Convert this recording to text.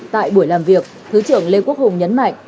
tại buổi làm việc thứ trưởng lê quốc hùng nhấn mạnh